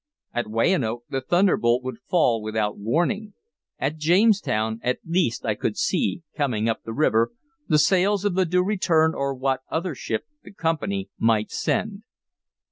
At Weyanoke, the thunderbolt would fall without warning; at Jamestown, at least I could see, coming up the river, the sails of the Due Return or what other ship the Company might send.